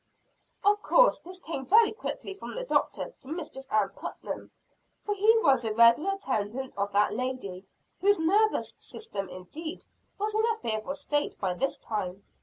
Of course this came very quickly from the Doctor to Mistress Ann Putnam for he was a regular attendant of that lady, whose nervous system indeed was in a fearful state by this time.